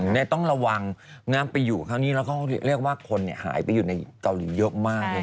นี่ต้องระวังน้ำไปอยู่ครั้งนี้แล้วก็เรียกว่าคนหายไปอยู่ในเกาหลีเยอะมากเลย